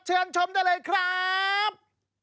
เชิญชมได้เลยครับ